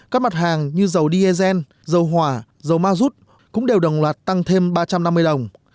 các mặt hàng như dầu diesel dầu hỏa dầu ma rút cũng đều đồng loạt tăng thêm ba trăm năm mươi đồng